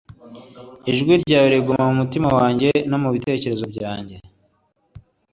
ijwi ryawe riguma mu mutima wanjye no mu bitekerezo byanjye